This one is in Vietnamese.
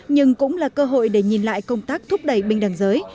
nhưng cũng là cơ hội để nhìn lại công tác thúc đẩy bình đẳng giới